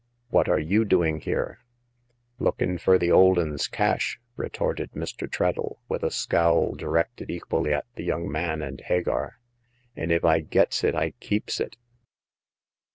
" What are you doing here ?'Lookin' fur the old un's cash !" retorted Mr. Treadle, with a scowl directed equally at the young man and Hagar. An' if I gets it I keeps it.